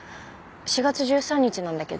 ４月１３日なんだけど。